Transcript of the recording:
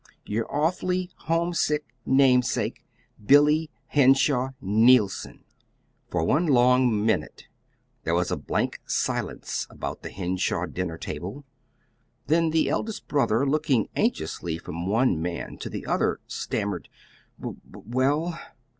"Your awfully homesick namesake, "BILLY HENSHAW NEILSON" For one long minute there was a blank silence about the Henshaw dinner table; then the eldest brother, looking anxiously from one man to the other, stammered: "W well?"